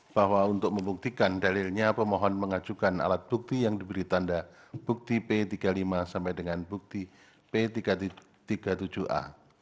bahwa untuk membuktikan dalilnya pemohon mengajukan alat bukti yang diberi tanda bukti p tiga puluh lima sampai dengan bukti p tiga puluh tujuh a